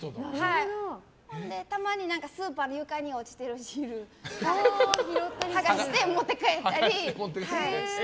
ほんで、たまにスーパーで床に落ちてるシールを剥がして持って帰ったりして。